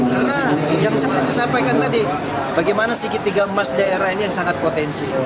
karena yang saya sampaikan tadi bagaimana segitiga emas daerah ini yang sangat potensi